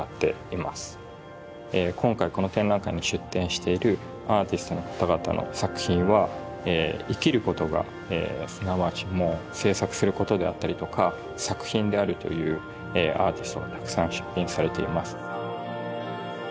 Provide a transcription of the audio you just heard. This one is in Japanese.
今回この展覧会に出展しているアーティストの方々の作品は生きることがすなわち制作することであったりとか作品であるというアーティストがたくさん出品されています。